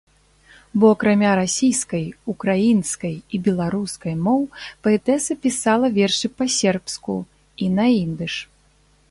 Бо акрамя расійскай, украінскай і беларускай моў паэтэса пісала вершы па-сербску і на ідыш.